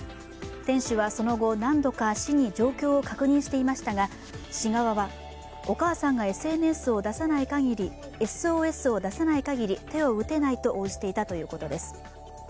店主は、その後、何度か市に状況を確認していましたが市側は、お母さんがＳＯＳを出さないかぎり手を打てないと応じていたということです。